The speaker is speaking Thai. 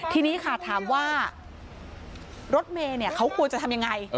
ทีนี้ค่ะถามว่ารถเมย์เขาควรจะทำยังไง